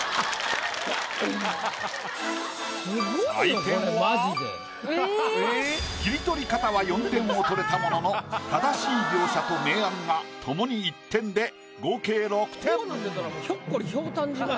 採点は切り取り方は４点をとれたものの正しい描写と明暗が共に１点で合計６点。